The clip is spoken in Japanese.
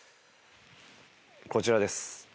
こちらです。